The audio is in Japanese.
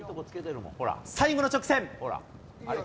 最後の直線。